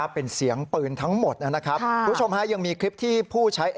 เป็นเสียงปืนทั้งหมดนะครับคุณผู้ชมฮะยังมีคลิปที่ผู้ใช้